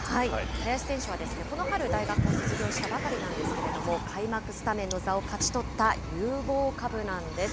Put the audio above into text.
林選手はこの春、大学を卒業したばかりなんですけれども、開幕スタメンの座を勝ち取った有望株なんです。